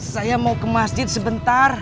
saya mau ke masjid sebentar